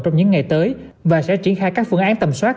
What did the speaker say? trong những ngày tới và sẽ triển khai các phương án tầm soát